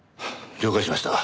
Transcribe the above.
了解しました。